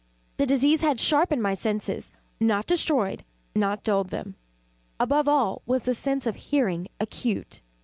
The disease had sharpened my senses not destroyed not dulled them. Above all was the sense of hearing acute.